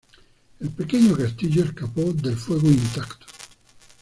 El Pequeño Castillo escapó del fuego intacto.